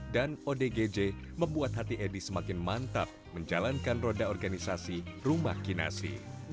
dan odgj membuat hati edi semakin mantap menjalankan roda organisasi rumah kinasi